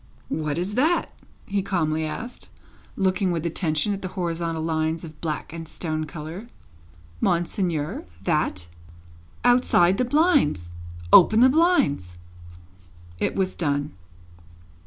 "What is that?" he calmly asked, looking with attention at the horizontal lines of black and stone colour. "Monseigneur? That?" "Outside the blinds. Open the blinds." It was done.